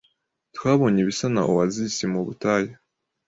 Twabonye ibisa na oasisi mu butayu.